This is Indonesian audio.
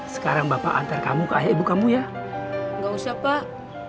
tendang diri itu ya allah